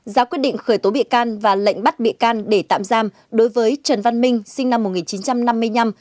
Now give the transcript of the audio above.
ra quyết định khởi tố bị can và lệnh bắt bị can để tạm giam đối với trần văn minh sinh năm một nghìn chín trăm năm mươi năm